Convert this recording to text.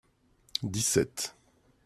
dix-sept.